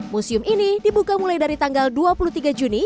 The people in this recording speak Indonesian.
museum ini dibuka mulai dari tanggal dua puluh tiga juni